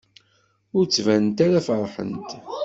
Ur ttbanent ara feṛḥent.